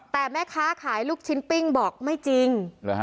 แต่แม่ค้าขายลูกชิ้นปิ้งบอกไม่จริง